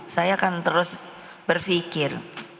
saya akan terus berpikir